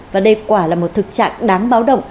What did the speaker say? và đây quả là một thực trạng đáng báo động